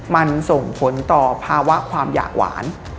มันส่งผลต่อภาวะความอยากหวาน